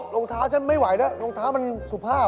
รองเท้าฉันไม่ไหวแล้วรองเท้ามันสุภาพ